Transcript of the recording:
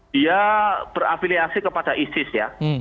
dia berafiliasi kepada isis ya